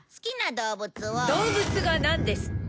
動物がなんですって？